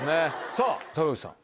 さぁ坂口さん。